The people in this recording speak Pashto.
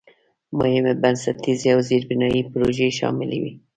مهمې بنسټیزې او زېربنایي پروژې شاملې وې.